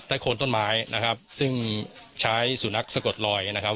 โคนต้นไม้นะครับซึ่งใช้สุนัขสะกดลอยนะครับ